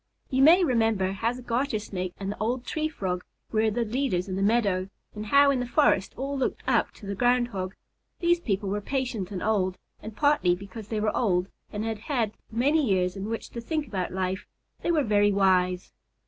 You may remember how the Garter Snake and the old Tree Frog were the leaders in the meadow, and how in the forest all looked up to the Ground Hog. These people were patient and old, and partly because they were old and had had many years in which to think about life, they were very wise.